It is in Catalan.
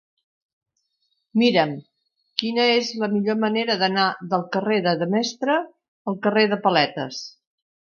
Mira'm quina és la millor manera d'anar del carrer de Demestre al carrer dels Paletes.